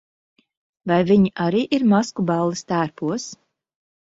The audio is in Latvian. Vai viņi arī ir maskuballes tērpos?